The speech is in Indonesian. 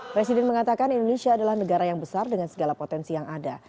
presiden mengatakan indonesia adalah negara yang besar dengan segala potensi yang ada